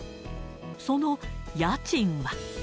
その家賃は。